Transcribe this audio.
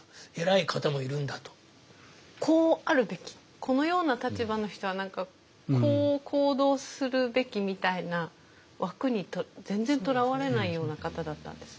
こうあるべきこのような立場の人は何かこう行動するべきみたいな枠に全然とらわれないような方だったんですね。